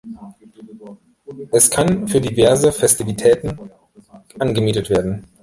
Es kann für diverse Festivitäten angemietet werden.